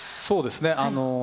そうですね。